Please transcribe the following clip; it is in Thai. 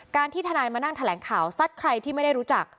ที่ทนายมานั่งแถลงข่าวซัดใครที่ไม่ได้รู้จัก